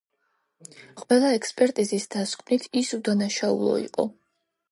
ყველა ექსპერტიზის დასკვნით ის უდანაშაულო იყო.